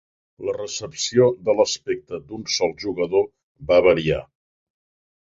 La recepció de l'aspecte d'un sol jugador va variar.